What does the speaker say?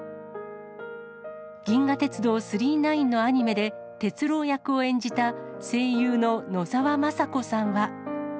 銀河鉄道９９９のアニメで鉄郎役を演じた声優の野沢雅子さんは。